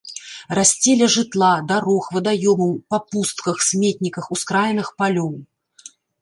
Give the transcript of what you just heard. Расце ля жытла, дарог, вадаёмаў, па пустках, сметніках, ускраінах палёў.